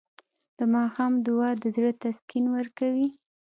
د ماښام دعا د زړه تسکین ورکوي.